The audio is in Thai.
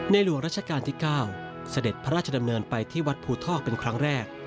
หลวงราชการที่๙เสด็จพระราชดำเนินไปที่วัดภูทอกเป็นครั้งแรก